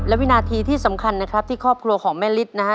และวินาทีที่สำคัญนะครับที่ครอบครัวของแม่ฤทธิ์นะฮะ